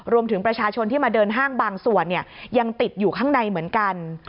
รวมถึงประชาชนที่มาเดินห้างบางส่วนยังติดอยู่ข้างในเหมือนกัน